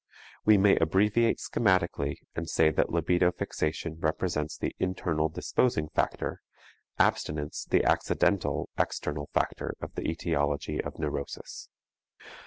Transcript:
We may abbreviate schematically and say that libido fixation represents the internal disposing factor, abstinence the accidental external factor of the etiology of neurosis.